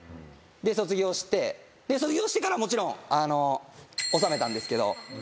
で卒業して卒業してからもちろん納めたんですけど。